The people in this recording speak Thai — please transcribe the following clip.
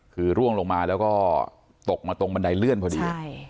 คือร่วงลงมาแล้วก็ตกมาตรงบันไดเลื่อนพอดี